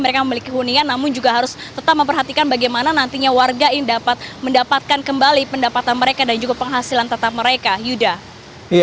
mereka memiliki hunian namun juga harus tetap memperhatikan bagaimana nantinya warga ini dapat mendapatkan kembali pendapatan mereka dan juga penghasilan tetap mereka yuda